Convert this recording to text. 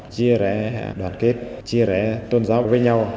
chia rẽ đoàn kết chia rẽ tôn giáo với nhau